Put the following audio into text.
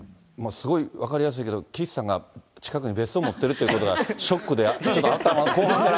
すごい分かりやすいけど、岸さんが近くに別荘持ってるということがショックで、ちょっと頭混乱。